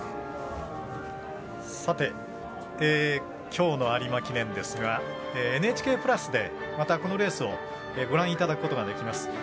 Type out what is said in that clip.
さて、きょうの有馬記念ですが「ＮＨＫプラス」でまたこのレースをご覧いただけることができます。